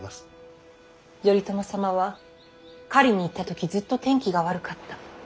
頼朝様は狩りに行った時ずっと天気が悪かった。